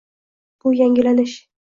Bu yangilanish